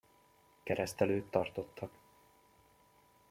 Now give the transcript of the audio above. Keresztelőt tartottak.